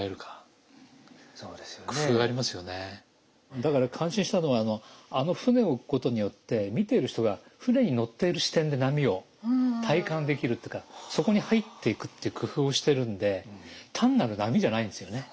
だから感心したのはあの舟を置くことによって見ている人が舟に乗っている視点で波を体感できるっていうかそこに入っていくっていう工夫をしてるんで単なる波じゃないんですよね。